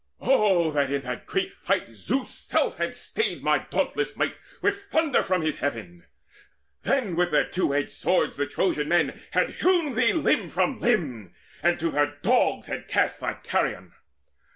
Oh that in that great fight Zeus' self had stayed My dauntless might with thunder from his heaven! Then with their two edged swords the Trojan men Had hewn thee limb from limb, and to their dogs Had cast thy carrion!